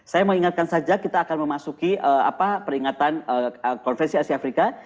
saya mengingatkan saja kita akan memasuki peringatan konferensi asia afrika